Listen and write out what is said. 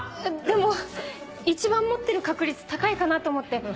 でも一番持ってる確率高いかなと思って。